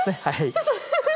ちょっと。